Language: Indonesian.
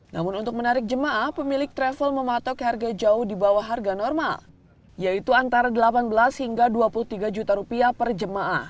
namun untuk menarik jemaah pemilik travel mematok harga jauh di bawah harga normal yaitu antara delapan belas hingga dua puluh tiga juta rupiah per jemaah